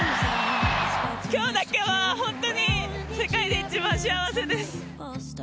今日だけは、本当に世界で一番幸せです。